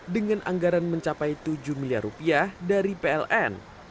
dengan anggaran mencapai tujuh miliar rupiah dari pln